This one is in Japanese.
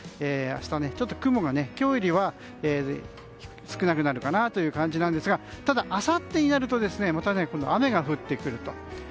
明日、ちょっと雲が今日よりは少なくなるかなという感じなんですがただ、あさってになるとまた雨が降ってくると。